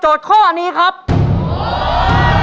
เพื่อชิงทุนต่อชีวิตสุด๑ล้านบาท